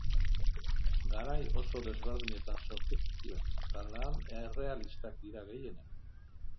Garai oso desberdinetan sortu zituen, eta lan errealistak dira gehienak.